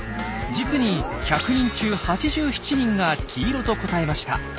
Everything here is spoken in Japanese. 実に１００人中８７人が黄色と答えました。